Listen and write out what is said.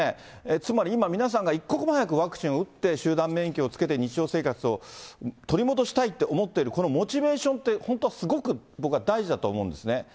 つまり今、皆さんが一刻も早くワクチンを打って、集団免疫をつけて、日常生活を取り戻したいって思ってる、このモチベーションって本当はすごく僕は大事だと思うんですね。